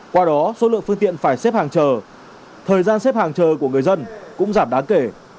qua đó số lượng phương tiện phải xếp hàng chờ thời gian xếp hàng chờ của người dân cũng giảm đáng kể